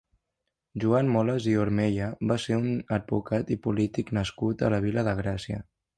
Joan Moles i Ormella va ser un advocat i polític nascut a la Vila de Gràcia.